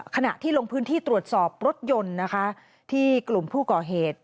ขณะที่ลงพื้นที่ตรวจสอบรถยนต์นะคะที่กลุ่มผู้ก่อเหตุ